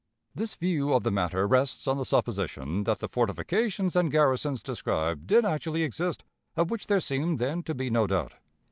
This view of the matter rests on the supposition that the fortifications and garrisons described did actually exist, of which there seemed then to be no doubt.